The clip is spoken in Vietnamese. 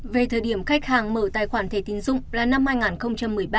về thời điểm khách hàng mở tài khoản thẻ tín dụng là năm hai nghìn một mươi ba